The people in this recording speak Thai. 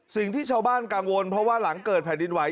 สิ่งที่ชาวบ้านกังวลเพราะว่าหลังเกิดแผ่นดินไหว